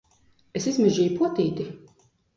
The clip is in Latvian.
Es izmežģīju potīti!